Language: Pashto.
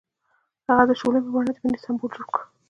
هغه د شعله په بڼه د مینې سمبول جوړ کړ.